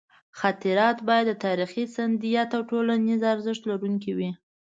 خاطرات باید د تاریخي سندیت او ټولنیز ارزښت لرونکي وي.